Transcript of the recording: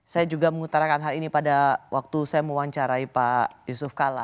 saya juga mengutarakan hal ini pada waktu saya mewawancarai pak yusuf kala